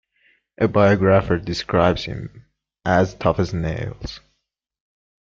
A biographer describes him as tough as nails.